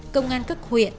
công an các huyện